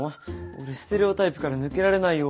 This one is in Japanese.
俺ステレオタイプから抜けられないよ。